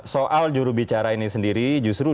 soal jurubicara ini sendiri justru